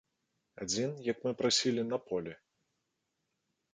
Адзін, як мы прасілі, на полі.